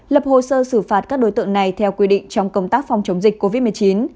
lập hồ sơ xử phạt các đối tượng này theo quy định trong công tác phòng chống dịch covid một mươi chín